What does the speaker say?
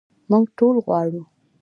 موږ ټول غواړو.